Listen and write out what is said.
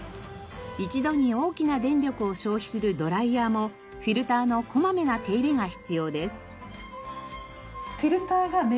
一度に大きな電力を消費するドライヤーもフィルターのこまめな手入れが必要です。